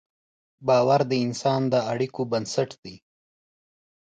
باور د انسان د اړیکو بنسټ دی.